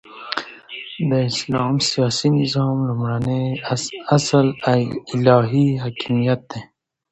د اسلام سیاسی نظام لومړنی اصل الهی حاکمیت دی،